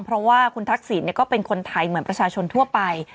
เพราะว่าคุณทักษิณก็เป็นคนไทยเหมือนประชาชนทั่วไป